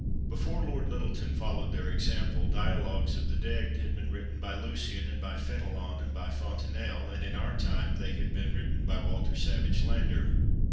Before Lord Lyttelton followed their example, "Dialogues of the Dead" had been written by Lucian, and by Fenelon, and by Fontenelle; and in our time they have been written by Walter Savage Landor.